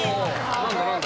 何だ？